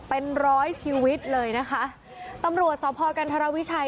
เป็นร้อยชีวิตเลยนะคะตำรวจสพกันธรวิชัย